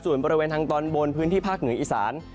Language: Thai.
ส่วนบริเวณทางตอนบนพื้นที่ภาคเหนืออีสาน